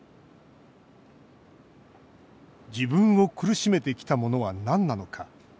自分を苦しめてきたものはなんなのか。